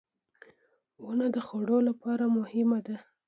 • ونه د خوړو لپاره مهمه ده.